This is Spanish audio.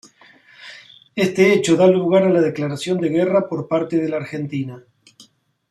Este hecho da lugar a la declaración de guerra por parte de la Argentina.